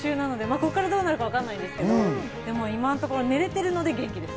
ここからどうなるかわからないですけど、今のところ眠れているので元気です。